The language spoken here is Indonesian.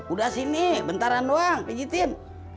udah sini bentaran doang pijitin